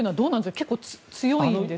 結構、強いんですか？